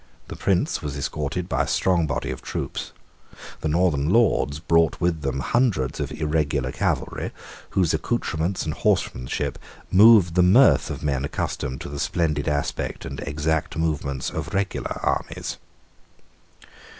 The Prince was escorted by a strong body of troops. The northern Lords brought with them hundreds of irregular cavalry, whose accoutrements and horsemanship moved the mirth of men accustomed to the splendid aspect and exact movements of regular armies.